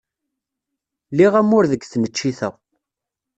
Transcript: Liɣ amur deg tneččit-a.